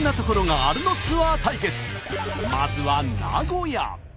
まずは名古屋。